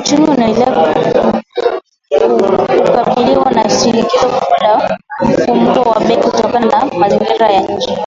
Uchumi unaendelea kukabiliwa na shinikizo kubwa la mfumuko wa bei kutokana na mazingira ya nje